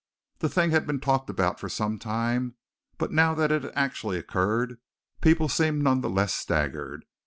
The thing had been talked about for some time, but now that it had actually occurred, people seemed none the less staggered.